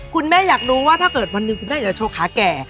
คุณแม่อยากรู้ว่าถ้าเกิดวันหนึ่งคุณแม่จะโชว์ขาแก่